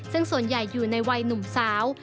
ซึ่งส่วนใหญ่อยู่ในวัยหนุ่มสาว